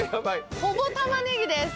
ほぼ玉ねぎです！